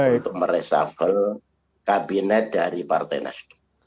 untuk mereshuffle kabinet dari partai nasional